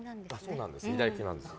そうなんです。